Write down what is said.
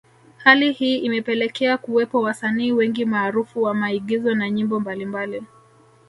Hali hii imepelekea kuwepo wasanii wengi maarufu wa maigizo na nyimbo mbalimbali